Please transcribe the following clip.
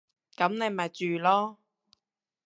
噉你咪住囉